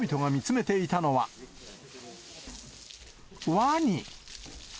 ワニ。